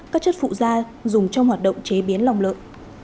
các chất phụ da dùng trong hoạt động chế biến lòng lợn